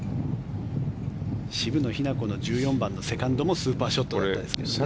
渋野日向子の１４番のセカンドもスーパーショットでしたけどね。